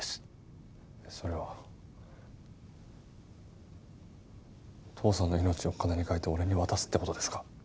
それは父さんの命を金に換えて俺に渡すって事ですか？